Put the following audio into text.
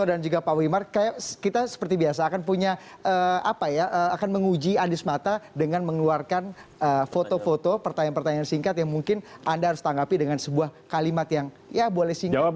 dan juga pak wimar kita seperti biasa akan punya apa ya akan menguji anies mata dengan mengeluarkan foto foto pertanyaan pertanyaan singkat yang mungkin anda harus tanggapi dengan sebuah kalimat yang ya boleh singkat